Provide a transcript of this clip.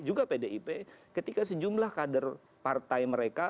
juga pdip ketika sejumlah kader partai mereka